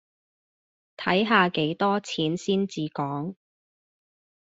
睇下幾多錢先至講